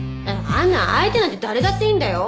あんなん相手なんて誰だっていいんだよ。